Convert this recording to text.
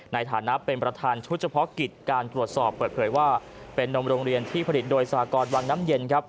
ในฐานะเป็นประธานชุดเฉพาะกิจการตรวจสอบเปิดเผยว่าเป็นนมโรงเรียนที่ผลิตโดยสากรวังน้ำเย็นครับ